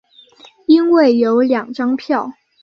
因为有两张票